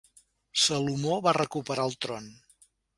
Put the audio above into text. Salomó va recuperar el tron.